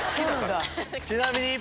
ちなみに。